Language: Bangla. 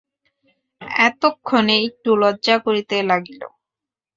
এতক্ষণে একটু লজ্জা করিতে লাগিল।